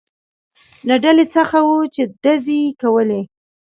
له ډلې څخه و، چې ډزې یې کولې.